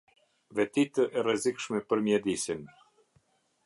Vetitë e rrezikshme për mjedisin.